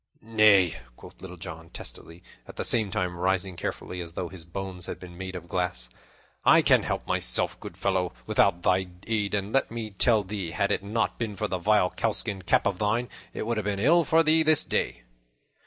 "Nay," quoth Little John testily, at the same time rising carefully, as though his bones had been made of glass, "I can help myself, good fellow, without thy aid; and let me tell thee, had it not been for that vile cowskin cap of thine, it would have been ill for thee this day."